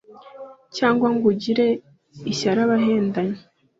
cyangwa ngo ugirire ishyari abahendanyi